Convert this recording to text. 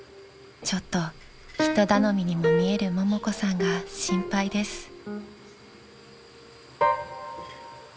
［ちょっと人頼みにも見えるももこさんが心配です］